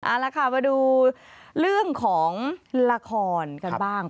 เอาละค่ะมาดูเรื่องของละครกันบ้าง